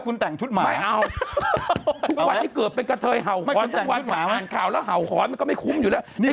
ผูกมานทุกทองทุกแดงอะไรแน่นั้นเนี่ย